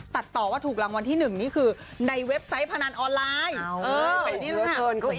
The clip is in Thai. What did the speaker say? ตัดต่อว่าถูกรางวัลที่๑นี่คือในเว็บไซต์พนันออนไลน์